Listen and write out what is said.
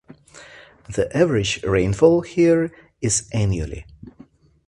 The average rainfall here is annually.